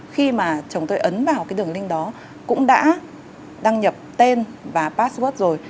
khi mà chồng tôi ấn vào cái đường link đó cũng đã đăng nhập tên và password rồi